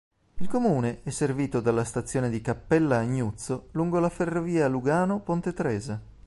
Il comune è servito dalla stazione di Cappella-Agnuzzo lungo la ferrovia Lugano-Ponte Tresa.